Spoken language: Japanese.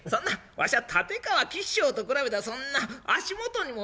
わしは立川吉祥と比べたらそんな足元にも及ばん」。